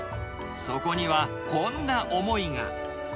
そこにはこんな思いが。